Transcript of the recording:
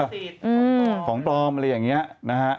ของตอมของตอมอะไรอย่างนี้นะฮะ